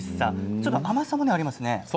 ちょっと甘さもありますね。